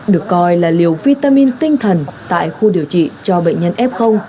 được coi là liều vitamin tinh thần tại khu điều trị cho bệnh nhân f